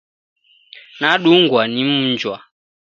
Nadungwa ni mnjwa